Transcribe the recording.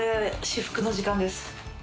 至福の時間です。